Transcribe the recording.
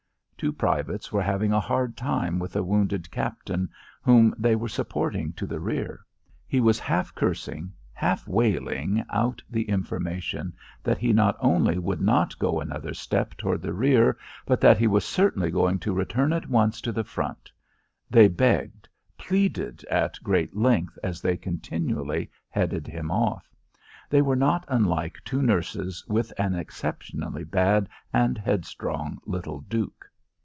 Two privates were having a hard time with a wounded captain, whom they were supporting to the rear, He was half cursing, half wailing out the information that he not only would not go another step toward the rear, but that he was certainly going to return at once to the front. They begged, pleaded at great length as they continually headed him off. They were not unlike two nurses with an exceptionally bad and headstrong little duke.